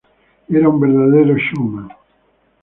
Era un verdadero showman".